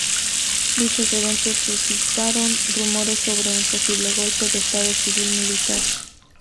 Dichos eventos suscitaron rumores sobre un posible golpe de Estado cívico militar.